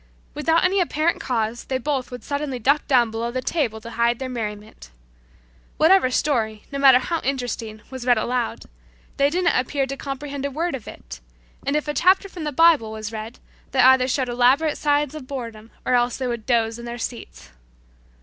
Without any apparent cause they both would suddenly duck down below the table to hide their merriment. Whatever story, no matter how interesting, was read aloud, they didn't appear to comprehend a word of it, and if a chapter from the Bible was read they either showed elaborate signs of boredom or else they would doze in their seats.